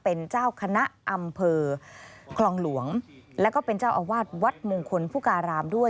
เป็นเจ้าคณะอำเภอคลองหลวงแล้วก็เป็นเจ้าอาวาสวัดมงคลผู้การามด้วย